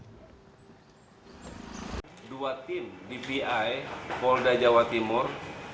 kedua tim dvi polda jawa timur